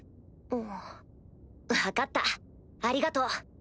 あ分かったありがとう。